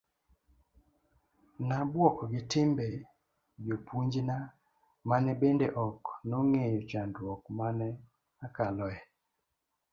nabuok gi timbe jopunjna mane bende ok nong'eyo chandruok mane akaloe